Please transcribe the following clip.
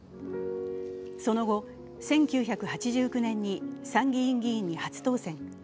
その後、１９８９年に参議院議員に初当選。